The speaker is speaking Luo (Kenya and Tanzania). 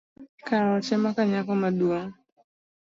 Kaocha makanyako maduong’